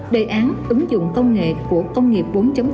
đề án ứng dụng công nghệ của công nghiệp bốn